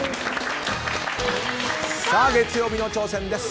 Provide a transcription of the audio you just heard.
さあ月曜日の挑戦です。